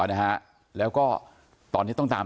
เราก็ตอนนี้ต้องตาม